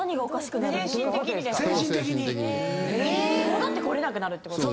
戻ってこれなくなるってこと？